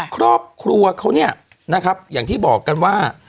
ครอบครัวเขาอย่างที่บอกกันว่า